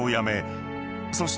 ［そして］